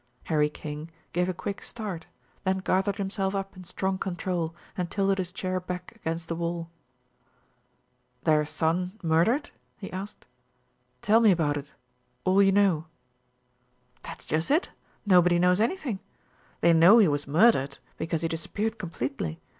Harry King gave a quick start, then gathered himself up in strong control and tilted his chair back against the wall. "Their son murdered?" he asked. "Tell me about it. All you know." "That's just it nobody knows anything. They know he was murdered, because he disappeared completely.